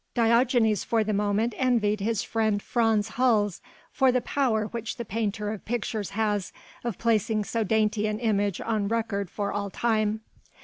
Diogenes for the moment envied his friend Frans Hals for the power which the painter of pictures has of placing so dainty an image on record for all time.